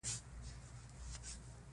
وحشي پیشو په ځنګل کې ګرځي.